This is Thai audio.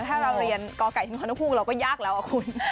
ถ้าเราเรียนกไก่ถึงฮนภูมิเราก็ยากแล้วอะคุณ